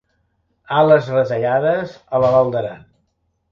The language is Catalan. Ales retallades a la Val d'Aran.